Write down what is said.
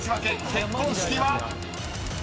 ［結婚式は⁉］